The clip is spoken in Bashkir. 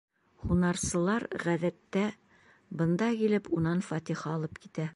Һунарсылар, ғәҙәттә, бында килеп унан фатиха алып китә.